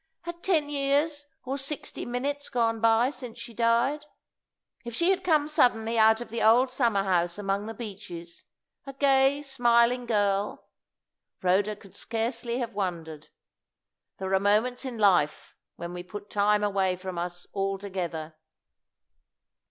Had ten years or sixty minutes gone by since she died? If she had come suddenly out of the old summer house among the beeches a gay, smiling girl Rhoda could scarcely have wondered. There are moments in life when we put time away from us altogether.